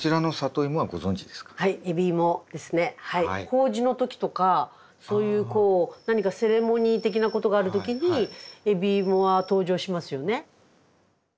法事の時とかそういうこう何かセレモニー的なことがある時に海老芋は登場しますよね。